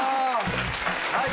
はい。